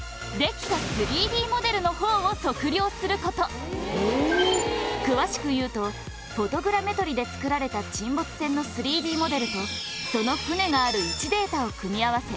それはまさに詳しく言うとフォトグラメトリで作られた沈没船の３Ｄモデルとその船がある位置データを組み合わせ